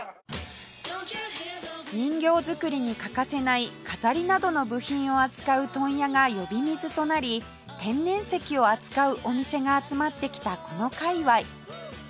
人形作りに欠かせない飾りなどの部品を扱う問屋が呼び水となり天然石を扱うお店が集まってきたこのかいわい